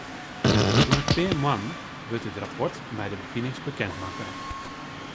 Oer in pear moannen wurdt it rapport mei de befinings bekend makke.